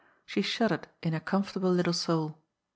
She shuddered in her comfortable little sonl.